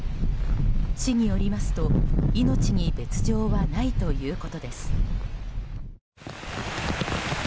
市によりますと命に別条はないということです。